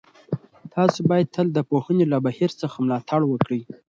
تاسو باید تل د پوهنې له بهیر څخه ملاتړ وکړئ.